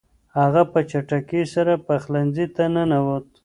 هغه په چټکۍ سره پخلنځي ته ننووت.